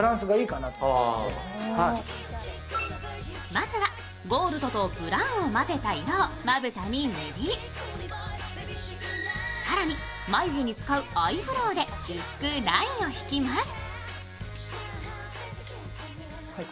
まずはゴールドとブラウンを混ぜた色をまぶたに塗り更に眉毛に使うアイブロウで薄くラインを引きます。